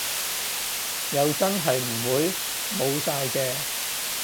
又真係唔會冇晒嘅